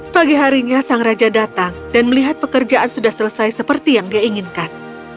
pagi harinya sang raja datang dan melihat pekerjaan sudah selesai seperti yang dia inginkan